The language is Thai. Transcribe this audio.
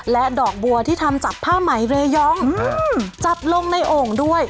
และดอกบัวที่ทำจากผ้าไหมเรยองจัดลงในโอ่งด้วย